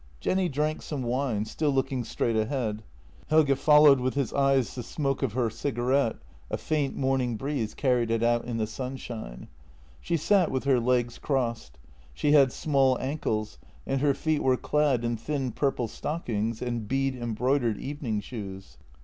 Jenny drank some wine, still looking straight ahead. Helge followed with his eyes the smoke of her cigarette — a faint morning breeze carried it out in the sunshine. She sat with her legs crossed. She had small ankles, and her feet were clad in thin purple stockings and bead embroidered evening shoes.